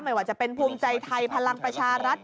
ไม่ว่าจะเป็นภูมิใจไทยพลังประชารัฐ